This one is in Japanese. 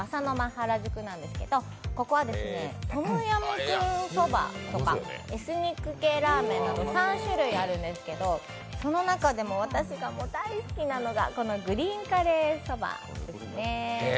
原宿なんですけどここはトムヤムクンソバとかエスニック系ラーメンなど３種類あるんですけど、その中でも私が大好きなのがこのグリーンカレーソバですね。